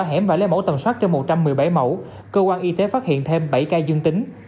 hẻm và lấy mẫu tầm soát cho một trăm một mươi bảy mẫu cơ quan y tế phát hiện thêm bảy ca dương tính